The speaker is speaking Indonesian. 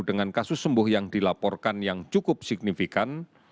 dengan kasus sembuh yang dilaporkan yang cukup signifikan